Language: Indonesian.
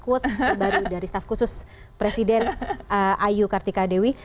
quotes baru dari staff khusus presiden ayu kartika dewi